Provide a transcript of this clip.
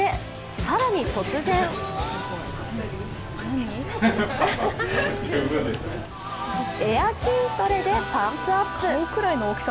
更に突然エア筋トレでパンプアップ。